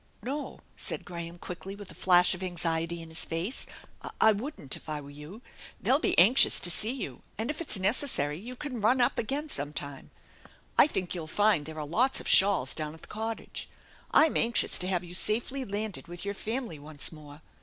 "No," said Graham, quickly, with a flash of anxiety in his face, " I wouldn't if I were you. They'll be anxious to see you, and if it's necessary you can run up again sometime. I think you'll find there are lots of shawls down at the cottage. I'm anxious to have you safely landed with your family once more.